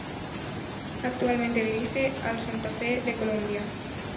Actualmente dirige al Santa Fe de Colombia.